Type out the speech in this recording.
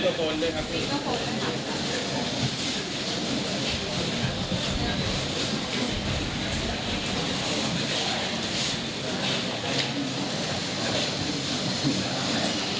ก็พบกันหลักครับ